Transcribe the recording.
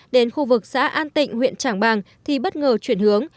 đến khu vực xã an tịnh huyện trảng bàng thì bất ngờ chuyển hướng